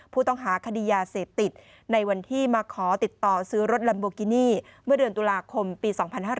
ผู้ต้องหาคดียาเสพติดในวันที่มาขอติดต่อซื้อรถลัมโบกินี่เมื่อเดือนตุลาคมปี๒๕๕๙